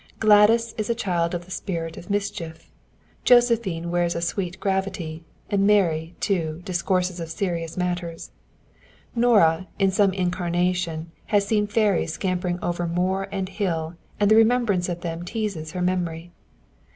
Gladys is a child of the spirit of mischief. Josephine wears a sweet gravity, and Mary, too, discourses of serious matters. Nora, in some incarnation, has seen fairies scampering over moor and hill and the remembrance of them teases her memory.